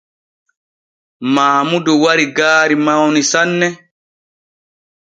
Maamudu wari gaari mawni sanne.